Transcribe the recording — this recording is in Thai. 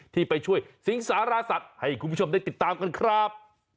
ที่ไปช่วยสิงสารสัตว์ให้คุณผู้ชมได้ติดตามกันครับ